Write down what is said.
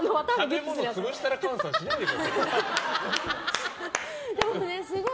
食べ物潰したら換算しないでください。